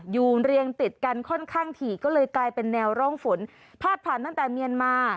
เรียงติดกันค่อนข้างถี่ก็เลยกลายเป็นแนวร่องฝนพาดผ่านตั้งแต่เมียนมา